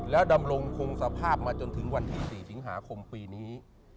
แล้วดำรงคงสภาพมาจนถึงวันที่๔สิงหาคมปีนี้